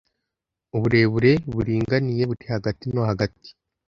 uburebure buringaniye buri hagati no hagati